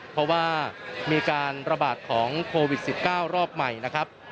เพราะว่ามีการระบาดของโควิด๑๙รอบใหม่นะครับ